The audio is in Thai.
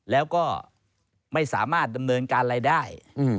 แล้วก็ไม่สามารถดำเนินการอะไรได้